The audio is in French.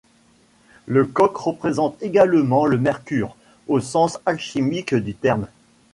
Le coq représente également le mercure, au sens alchimique du terme.